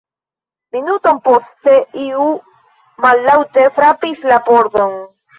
Minuton poste iu mallaŭte frapis la pordon.